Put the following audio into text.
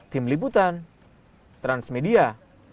tim liputan transmedia